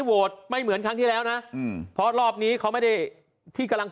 โหวตไม่เหมือนครั้งที่แล้วนะอืมเพราะรอบนี้เขาไม่ได้ที่กำลัง